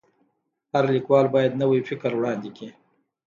هر لیکوال باید نوی فکر وړاندي کړي.